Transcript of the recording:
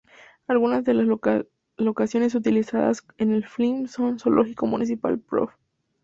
Algunas de las locaciones utilizadas en el film son:Zoológico Municipal Prof.